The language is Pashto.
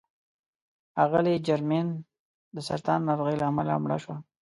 اغلې جرمین د سرطان ناروغۍ له امله مړه شوه.